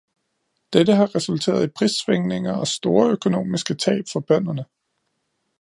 Dette har resulteret i prissvingninger og store økonomiske tab for bønderne.